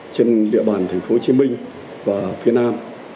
trên địa bàn thành phố hồ chí minh và phía nam